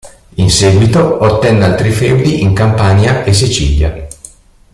In seguito ottenne altri feudi in Campania e Sicilia.